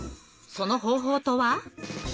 その方法とは？